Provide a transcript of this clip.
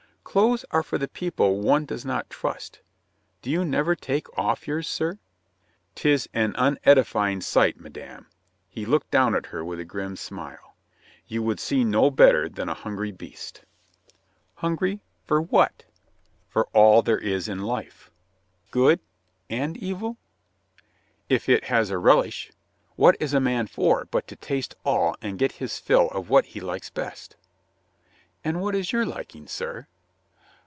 "Clothes are for the people one does not trust. Do you never take off yours, sir?" " 'Tis an unedifying sight, madame." He looked down at her with a grim smile. "You would see no better than a hungry beast." /'Hungry — for what?" COLONEL ROYSTON STAYS BY A LADY 121 "For all there is in life." "Good— and evil?" "If it has a relish. What is a man for but to taste all and get his fill of what he likes best?" "And what is your liking, sir?"